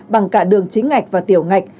bằng cả đường chính ngạch và tiểu ngạch